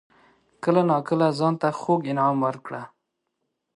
کله ناکله ځان ته خوږ انعام ورکړه.